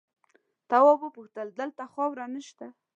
تواب وپوښتل دلته خاوره نه شته؟